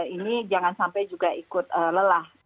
ini jangan sampai juga ikut lelah